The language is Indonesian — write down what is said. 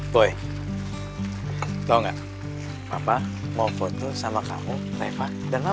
boy tau gak papa mau foto sama kamu reva dan mama